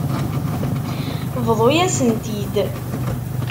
Bḍu-yas-tent-id.